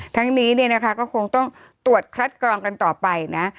ทั้งนี้เนี่ยนะคะก็คงต้องตรวจคัดกรองกันต่อไปนะ